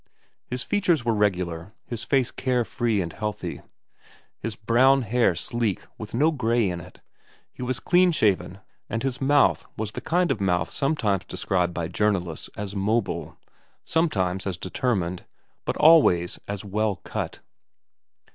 His features were regular, his face care free and healthy, his brown hair sleek with no grey in it, he was clean shaven, and his mouth was the kind of 112 VERA n mouth sometimes described by journalists as mobile, sometimes as determined, but always as well cut.